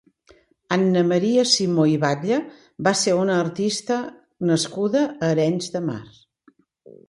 Anna Maria Simó i Batlle va ser una artista nascuda a Arenys de Mar.